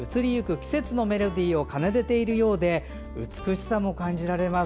季節のメロディーを奏でているようで美しさも感じられます。